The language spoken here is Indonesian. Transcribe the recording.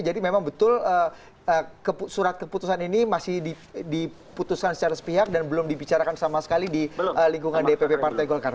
jadi memang betul surat keputusan ini masih diputuskan secara sepihak dan belum dibicarakan sama sekali di lingkungan dpp partai golkar